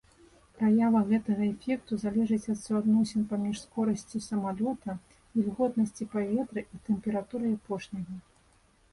Праява гэтага эфекту залежыць ад суадносін паміж скорасцю самалёта, вільготнасцю паветра і тэмпературай апошняга.